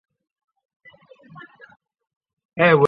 查理拿了克莱尔最爱的花生酱给她。